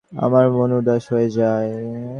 ঐ পথ-খেপাটার কথা মনে করে আমারও মন উদাস হয়ে যায়।